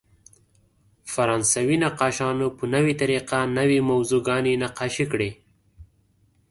فرانسوي نقاشانو په نوې طریقه نوې موضوعګانې نقاشي کړې.